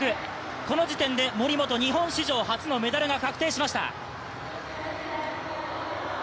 この時点で、森本、日本史上初のメダルが確定しました。